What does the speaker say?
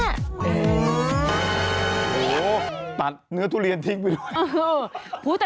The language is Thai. โอ้โหตัดเนื้อทุเรียนทิ้งไปเลย